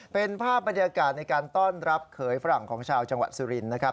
เป็นภาพบรรยากาศในการต้อนรับเขยฝรั่งของชาวจังหวัดสุรินทร์นะครับ